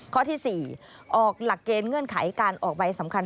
ข้อที่๔ออกหลักเกณฑ์เงื่อนไขการออกใบสำคัญ